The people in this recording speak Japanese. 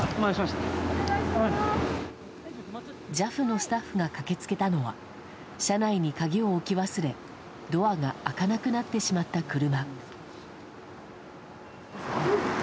ＪＡＦのスタッフが駆け付けたのは車内に鍵を置き忘れドアが開かなくなってしまった車。